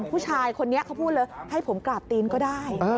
ผู้ชายคนนี้เขาพูดเลยให้ผมกราบตีนก็ได้